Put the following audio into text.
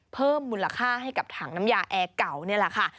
เพิ่มมูลค่าให้กับถังน้ำยาแอร์เก่านี่แหละค่ะ